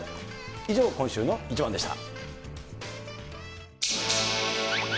以上、今週のイチバンでした。